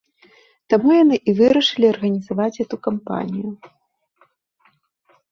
Таму яны і вырашылі арганізаваць гэту кампанію.